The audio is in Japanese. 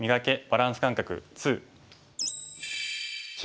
バランス感覚２」。